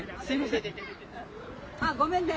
あっ、ごめんね。